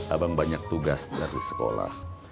abang banyak tugas dari sekolah